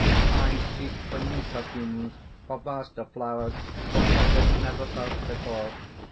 "I seek for new perfumes, for vaster flowers, for pleasures never felt before.